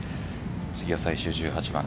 次は最終１８番